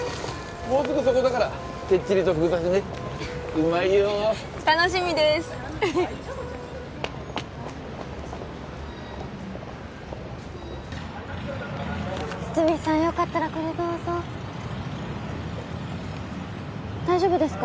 もうすぐそこだからてっちりとふぐ刺しねうまいよ楽しみでーす堤さんよかったらこれどうぞ大丈夫ですか？